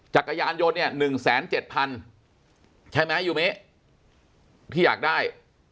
จักรยานยนต์เนี้ยหนึ่งแสนเจ็ดพันใช่ไหมยูมิที่อยากได้